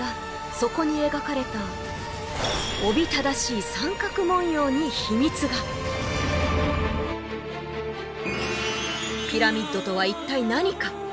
そこに描かれたおびただしい三角文様に秘密がピラミッドとは一体何か？